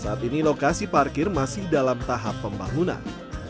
saat ini lokasi parkir masih dalam tahap pembangunan